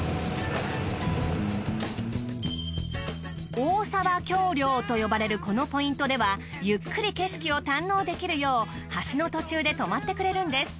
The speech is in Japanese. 大沢橋梁と呼ばれるこのポイントではゆっくり景色を堪能できるよう橋の途中で止まってくれるんです。